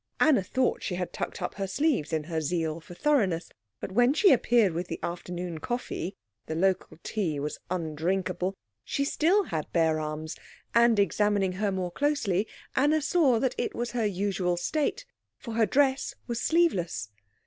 Anna thought she had tucked up her sleeves in her zeal for thoroughness, but when she appeared with the afternoon coffee the local tea was undrinkable she still had bare arms; and, examining her more closely, Anna saw that it was her usual state, for her dress was sleeveless.